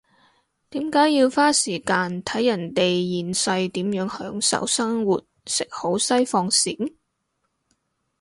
點解要花時間睇人哋現世點樣享受生活食好西放閃？